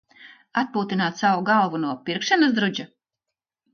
Atpūtināt savu galvu no "pirkšanas drudža"?